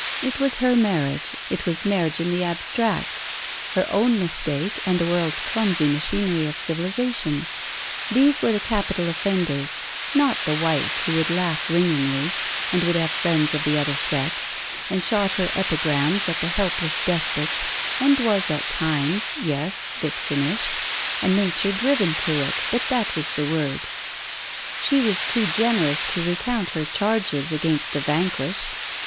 It was her marriage; it was marriage in the abstract: her own mistake and the world's clumsy machinery of civilization: these were the capital offenders: not the wife who would laugh ringingly, and would have friends of the other sex, and shot her epigrams at the helpless despot, and was at times yes, vixenish; a nature driven to it, but that was the word. She was too generous to recount her charges against the vanquished.